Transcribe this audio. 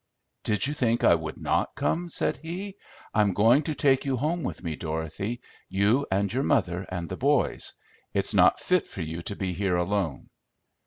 "Did you think I would not come?" said he. "I'm going to take you home with me, Dorothy, you and your mother and the boys. It's not fit for you to be here alone."